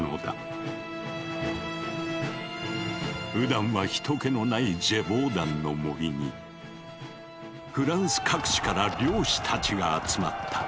ふだんは人けのないジェヴォーダンの森にフランス各地から猟師たちが集まった。